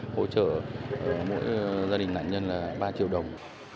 hỗ trợ mỗi gia đình nạn nhân là ba triệu đồng